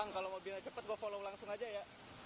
kalau mobilnya cepat gue follow langsung aja ya